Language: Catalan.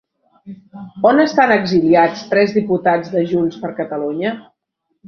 On estan exiliats tres diputats de Junts per Catalunya?